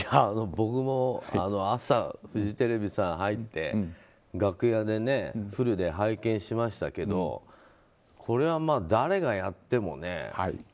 僕も朝フジテレビさん入って楽屋でフルで拝見しましたけどこれは誰がやってもね。